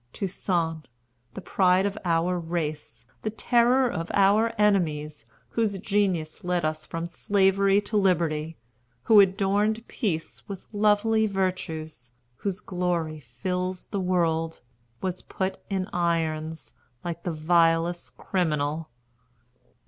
Toussaint, the pride of our race, the terror of our enemies, whose genius led us from Slavery to Liberty, who adorned peace with lovely virtues, whose glory fills the world, was put in irons, like the vilest criminal!"